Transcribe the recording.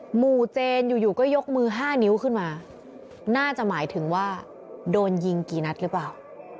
หมู่เจนอยู่ก็ยกมือ๕นิ้วขึ้นมาน่าจะหมายถึงว่าโดนยิงกี่นัดหรือเปล่า